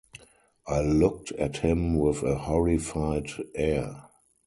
I looked at him with a horrified air.